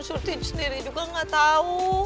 surti sendiri juga gak tau